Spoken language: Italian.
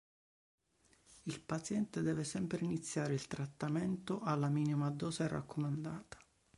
Il paziente deve sempre iniziare il trattamento alla minima dose raccomandata.